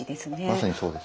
まさにそうですね。